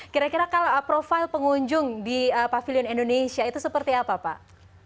kira kira kalau profile pengunjung di pavilion indonesia itu seperti apa pak